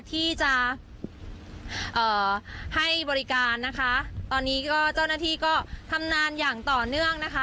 ที่จะเอ่อให้บริการนะคะตอนนี้ก็เจ้าหน้าที่ก็ทำงานอย่างต่อเนื่องนะคะ